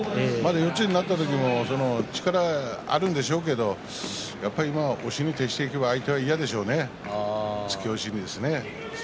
四つになった時も力はあるんでしょうけどやっぱり今は押しに徹していけば相手は嫌でしょうね突き押しですね。